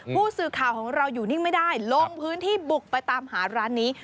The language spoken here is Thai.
ผู้สื่อข่าวของเราอยู่นิ่งไม่ได้ลงพื้นที่บุกไปตามหาร้านนี้